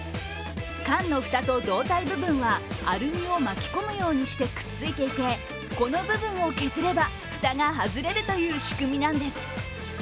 缶の蓋と胴体部分はアルミを巻き込むようにくっついていてくっついていて、この部分を削れば蓋が外れるという仕組みなんです。